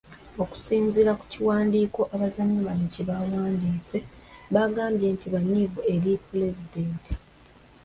Okusinziira ku kiwandiiko abazannyi bano kye baawandiise baagambye nti banyiivu eri Pulezidenti.